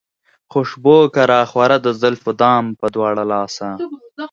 خوشبو که راخوره د زلفو دام پۀ دواړه لاسه